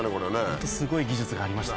ホントすごい技術がありました。